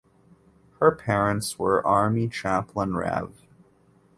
Her parents were Army chaplain Rev.